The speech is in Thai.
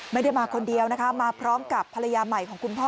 ไม่ได้มาคนเดียวนะคะมาพร้อมกับภรรยาใหม่ของคุณพ่อ